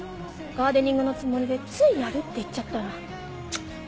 ガーデニングのつもりでついやるって言っちゃったら。